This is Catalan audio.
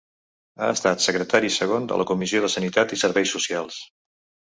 Ha estat secretari Segon de la Comissió de Sanitat i Serveis Socials.